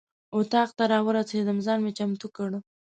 اتاق ته راورسېدم ځان مې چمتو کړ.